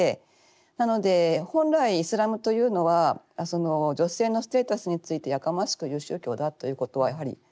なので本来イスラムというのは女性のステータスについてやかましく言う宗教だということはやはり全く違う。